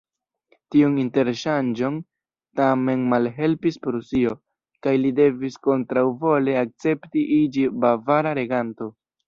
Tiun interŝanĝon tamen malhelpis Prusio, kaj li devis kontraŭvole akcepti iĝi bavara reganto.